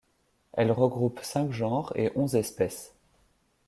Elle regroupe cinq genres et onze espèces.